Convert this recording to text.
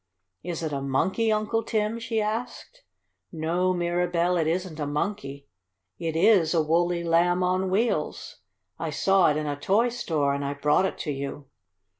"Is it a monkey, Uncle Tim?" she asked. "No, Mirabell, it isn't a monkey. It is a woolly Lamb on Wheels. I saw it in a toy store and I brought it to you."